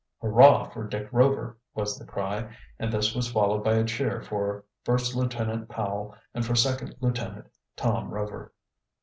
"Hurrah for Dick Rover!" was the cry, and this was followed by a cheer for First Lieutenant Powell and for Second Lieutenant Tom Rover.